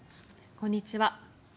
こんにちは。